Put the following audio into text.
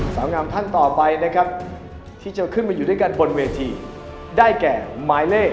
สาวงามท่านต่อไปนะครับที่จะขึ้นมาอยู่ด้วยกันบนเวทีได้แก่หมายเลข